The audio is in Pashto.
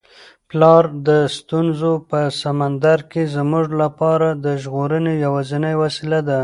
پلار د ستونزو په سمندر کي زموږ لپاره د ژغورنې یوازینۍ وسیله ده.